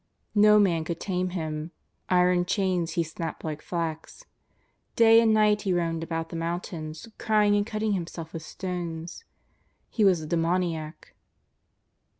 No man could tame him; iron chains he snapj^ed like flax. Day and night he roamed about the mountains, crying and cut ting himself with stones. He was a demoniac.